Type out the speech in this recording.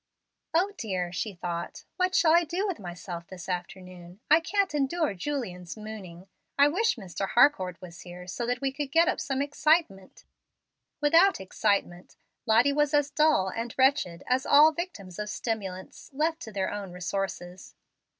"O dear!" she thought; "what shall I do with myself this afternoon? I can't endure Julian's mooning. I wish Mr. Harcourt was here, so we could get up some excitement." Without excitement Lottie was as dull and wretched as all victims of stimulants, left to their own resources.